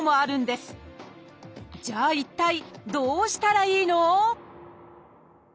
じゃあ一体どうしたらいいの？